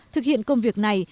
thực hiện công việc này